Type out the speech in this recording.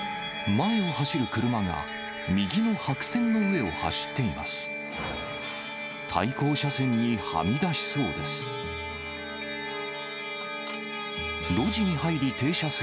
前を走る車が、右の白線の上を走っています。